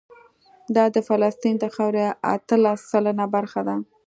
دا د فلسطین د خاورې اتلس سلنه برخه ده.